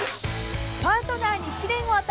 ［パートナーに試練を与え